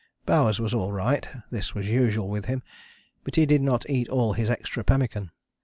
Bowers was all right (this was usual with him), but he did not eat all his extra pemmican.